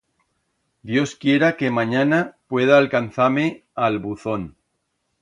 Dios quiera que manyana pueda alcanzar-me a'l buzón.